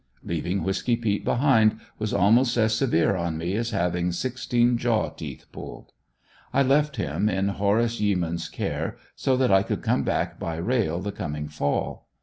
Leaving Whisky peet behind was almost as severe on me as having sixteen jaw teeth pulled. I left him, in Horace Yeamans' care, so that I could come back by rail the coming fall.